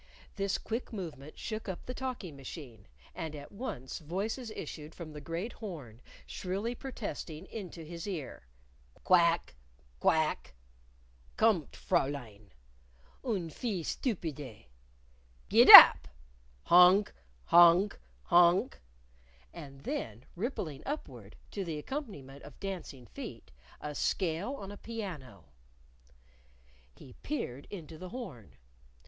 This quick movement shook up the talking machine, and at once voices issued from the great horn shrilly protesting into his ear "Quack! Quack! Kommt, Fraulein!" "Une fille stupider!" "Gid dap!" "Honk! Honk! Honk!" and then, rippling upward, to the accompaniment of dancing feet, a scale on a piano. He peered into the horn.